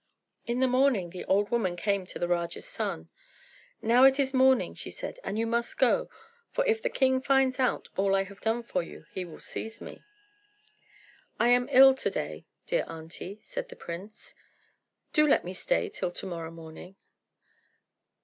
In the morning the old woman came to the Raja's son. "Now it is morning," she said, "and you must go; for if the king finds out all I have done for you, he will seize me." "I am ill to day, dear aunty," said the prince; "do let me stay till to morrow morning."